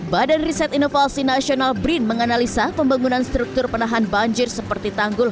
badan riset inovasi nasional brin menganalisa pembangunan struktur penahan banjir seperti tanggul